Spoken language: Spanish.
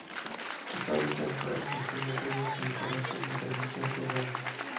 Sus hábitats naturales incluyen ríos y corrientes intermitentes de agua.